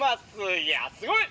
いやすごい！